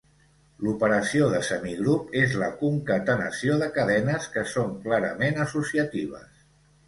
L"operació de semigrup és la concatenació de cadenes, que són clarament associatives.